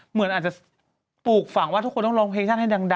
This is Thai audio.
เหมือนอาจจะปลูกฝังว่าทุกคนต้องร้องเพลงชั่นให้ดัง